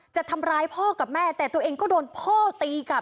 จะทำร้ายพ่อกับแม่แต่ตัวเองก็โดนพ่อตีกลับ